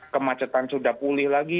kemacetan sudah pulih lagi